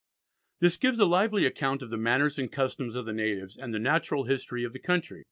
This gives a lively account of the manners and customs of the natives, and the natural history of the country.